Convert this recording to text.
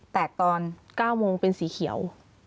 แตกตอนเก้ามงเป็นสีเขียว